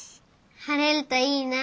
晴れるといいなあ。